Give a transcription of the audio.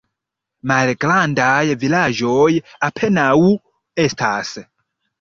Malgrandaj vilaĝoj apenaŭ estas.